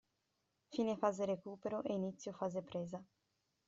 Fine fase recupero e inizio fase presa.